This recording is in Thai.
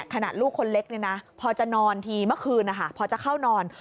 ขนาดลูกคนเล็กนี่นะพอจะนอนทีเมื่อคืนพอจะเข้านอน